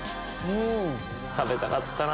食べたかったな。